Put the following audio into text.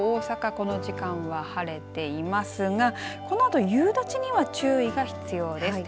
この時間は晴れていますがこのあと夕立には注意が必要です。